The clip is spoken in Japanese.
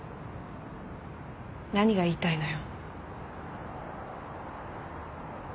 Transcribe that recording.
何が言いたいのよ？